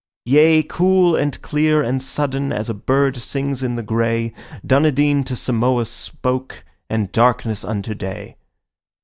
Yea, cool and clear and sudden as a bird sings in the grey, Dunedin to Samoa spoke, and darkness unto day.